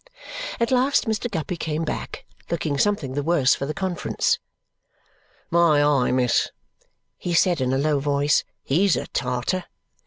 At last Mr. Guppy came back, looking something the worse for the conference. "My eye, miss," he said in a low voice, "he's a Tartar!"